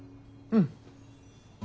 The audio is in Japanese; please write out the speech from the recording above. うん。